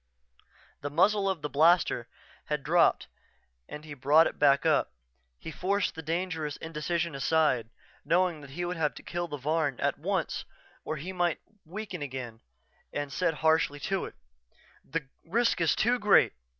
The muzzle of the blaster had dropped and he brought it back up. He forced the dangerous indecision aside, knowing he would have to kill the Varn at once or he might weaken again, and said harshly to it: "The risk is too great.